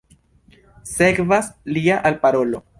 Sekvas lia alparolo.